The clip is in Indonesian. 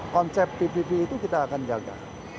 konsep tpp itu kita akan jaga